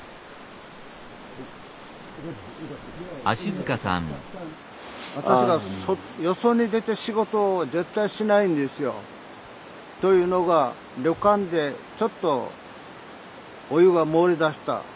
私らよそに出て仕事を絶対しないんですよ。というのが旅館でちょっとお湯が漏れだした。